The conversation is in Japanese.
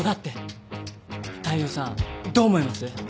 大陽さんどう思います？